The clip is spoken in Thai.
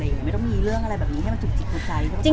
ไม่ต้องมีเรื่องอะไรแบบมีโดยว่าฉูกจีบกว่าใจ